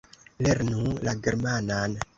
Lernu la germanan!